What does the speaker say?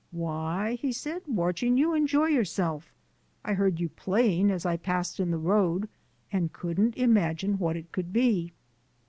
"Why," he said, "watching you enjoy yourself. I heard you playing as I passed in the road, and couldn't imagine what it could be."